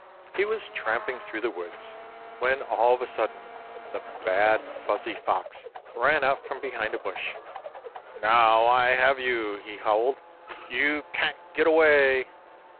He was tramping through the woods when, all of a sudden, the bad Fuzzy Fox ran out from behind a bush. "Now I have you!" he howled. "You can't get away!"